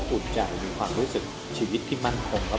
ะอุ่นใจมีความรู้สึกชีวิตที่มั่นคงและ